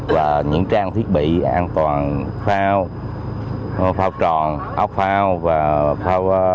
và những trang thiết bị an toàn phao phao tròn áo phao và phao cưu sinh